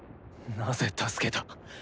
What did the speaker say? なぜ助けた？